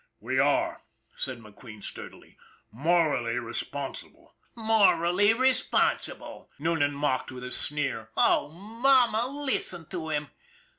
" We are," said McQueen sturdily. " Morally re sponsible." " Morally responsible !" Noonan mocked with a sneer. " Oh, mamma, listen to him